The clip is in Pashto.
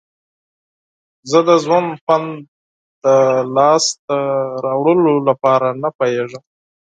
زه د ژوند خوند د لاسته راوړلو لپاره نه پوهیږم.